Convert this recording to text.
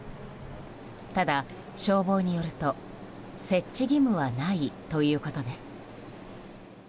ただ、消防によると設置義務はないということです。